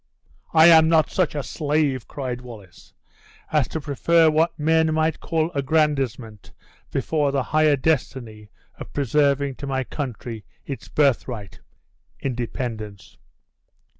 "I am not such a slave," cried Wallace, "as to prefer what men might call aggrandizement before the higher destiny of preserving to my country its birthright, independence.